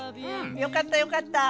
よかったよかった。